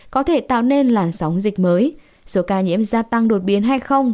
có thể tạo nên làn sóng dịch mới số ca nhiễm gia tăng đột biến hay không